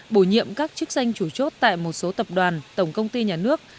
bổ nhiệm các chức danh chủ chốt tại một số tập đoàn tổng công ty nhà nước